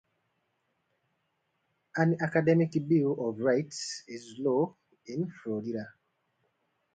An academic Bill of Rights is law in Florida.